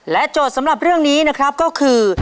โจทย์สำหรับเรื่องนี้นะครับก็คือ